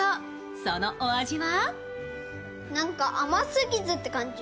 そのお味は？